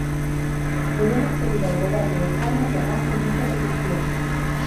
Debemos pedir ao Goberno de España que avance nesta redución.